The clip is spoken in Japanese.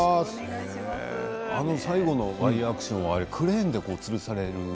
あの最後のワイヤーアクションはクレーンでつるされる。